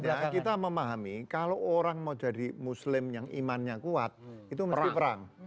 ya kita memahami kalau orang mau jadi muslim yang imannya kuat itu meraih perang